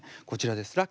こちらです。